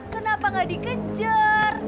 kenapa gak dikejar